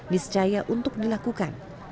disecaya untuk dilakukan